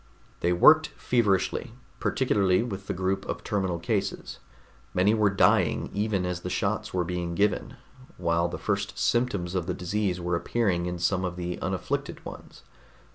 They worked feverishly, particularly with the group of terminal cases. Many were dying even as the shots were being given, while the first symptoms of the disease were appearing in some of the unafflicted ones.